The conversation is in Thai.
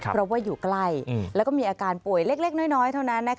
เพราะว่าอยู่ใกล้แล้วก็มีอาการป่วยเล็กน้อยเท่านั้น